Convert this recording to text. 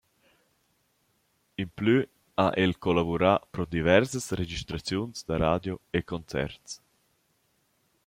Implü ha el collavurà pro diversas registraziuns da radio e concerts.